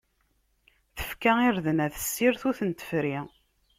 Tefka irden ar tessirt ur ten-tefri.